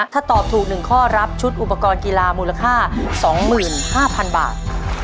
ถ้าตอบถูก๑ข้อรับชุดอุปกรณ์กีฬามูลค่า๒๕๐๐๐บาท